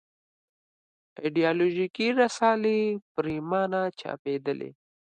ایدیالوژیکې رسالې پرېمانه چاپېدلې.